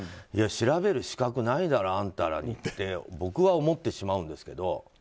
調べる資格ないだろあんたらにって僕は思ってしまうんですけど。